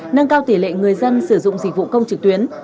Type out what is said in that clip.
nâng cao tỷ lệ người dân sử dụng dịch vụ công trực tuyến